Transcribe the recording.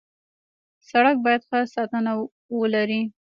سړک باید ښه ساتنه ولري.